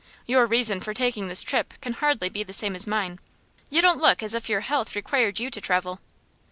Your reason for taking this trip can hardly be the same as mine. You don't look as if your health required you to travel."